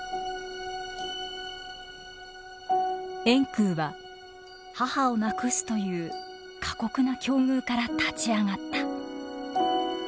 円空は母を亡くすという過酷な境遇から立ち上がった。